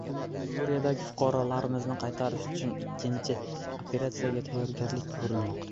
Suriyadagi fuqarolarimizni qaytarish uchun ikkinchi operatsiyaga tayyorgarlik ko‘rilmoqda